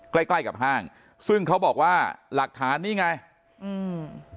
ใกล้ใกล้กับห้างซึ่งเขาบอกว่าหลักฐานนี่ไงอืม